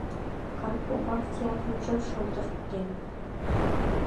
— Карповак театрым чот шолдыртен.